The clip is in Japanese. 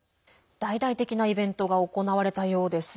大々的なイベントが行われたようですね。